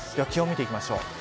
気温を見ていきましょう。